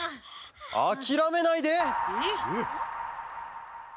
あきらめないで！